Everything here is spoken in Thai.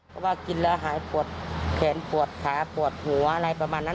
เพราะว่ากินแล้วหายปวดแขนปวดขาปวดหัวอะไรประมาณนั้น